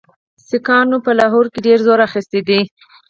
سیکهانو په لاهور کې ډېر زور اخیستی دی.